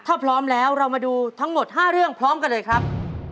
ถ้าพร้อมแล้วเรามาดูทั้งหมด๕เรื่องพร้อมกันเลยครับ